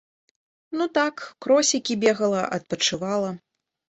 Ну так, кросікі бегала, адпачывала.